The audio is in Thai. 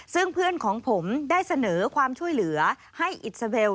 ซึ่งเพื่อนของผมได้เสนอความช่วยเหลือให้อิสราเบล